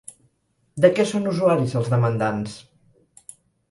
De què són usuaris els demandants?